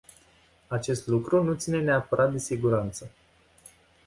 Acest lucru nu ține neapărat de siguranță.